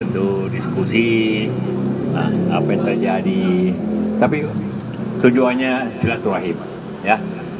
untuk diskusi apa yang terjadi tapi tujuannya silatul ahimah ya